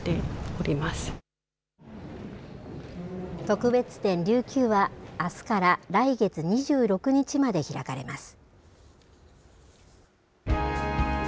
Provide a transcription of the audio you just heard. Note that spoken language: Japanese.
特別展、琉球はあすから来月２６日まで開かれます。